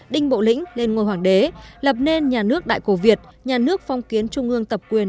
đinh bộ lĩnh lên ngôi hoàng đế lập nên nhà nước đại cổ việt nhà nước phong kiến trung ương tập quyền